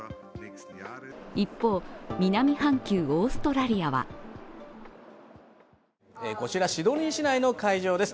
一方、南半球、オーストラリアはこちら、シドニー市内の会場です